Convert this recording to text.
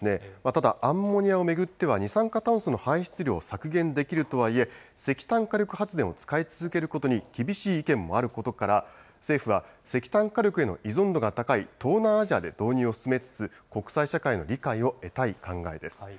ただ、アンモニアを巡っては、二酸化炭素の排出量を削減できるとはいえ、石炭火力発電を使い続けることに厳しい意見もあることから、政府は、石炭火力への依存度が高い東南アジアで導入を進めつつ、国際社会の理解を得たい考えです。